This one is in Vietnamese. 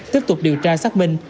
tiếp tục điều tra xác minh